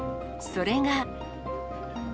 それが。